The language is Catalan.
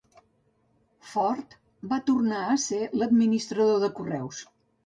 Ford va tornar a ser l'administrador de correus.